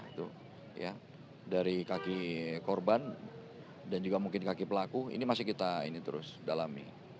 itu ya dari kaki korban dan juga mungkin kaki pelaku ini masih kita ini terus dalami